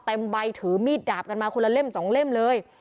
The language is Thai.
เต็มใบถือมีดดาบกันมาคนละเล่มสองเล่มเลย